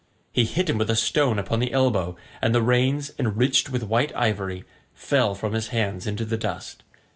He hit him with a stone upon the elbow, and the reins, enriched with white ivory, fell from his hands into the dust.